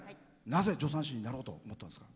なぜ助産師になろうと思ったんですか？